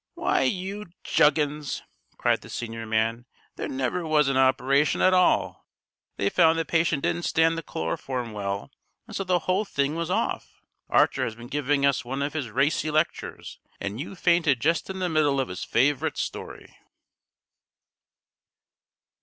"Why, you juggins!" cried the senior man, "there never was an operation at all! They found the patient didn't stand the chloroform well, and so the whole thing was off. Archer has been giving us one of his racy lectures, and you fainted just in the middle of his favourite story."